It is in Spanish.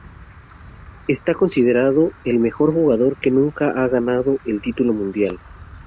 Está considerado el mejor jugador que nunca ha ganado el título mundial.